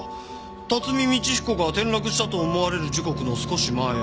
辰巳通彦が転落したと思われる時刻の少し前。